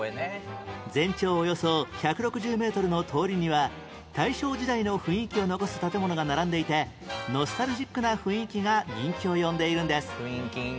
全長およそ１６０メートルの通りには大正時代の雰囲気を残す建物が並んでいてノスタルジックな雰囲気が人気を呼んでいるんです